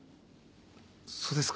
そうですか？